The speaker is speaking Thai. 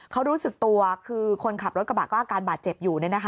เขารู้สึกตัวคือคนขับรถกระบะก็อาการบาดเจ็บอยู่